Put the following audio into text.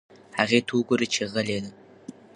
هغې ته وگوره چې غلې ده.